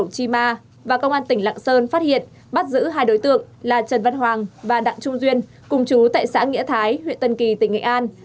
các hai đối tượng là trần văn hoàng và đặng trung duyên cùng chú tại xã nghĩa thái huyện tân kỳ tỉnh nghệ an